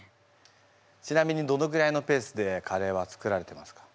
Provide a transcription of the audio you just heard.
ちなみにどのぐらいのペースでカレーは作られてますか？